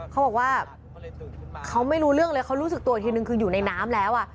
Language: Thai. เขาบอกว่าเขาไม่รู้เรื่องเลยเขารู้สึกตัวอีกทีนึงคืออยู่ในน้ำแล้ว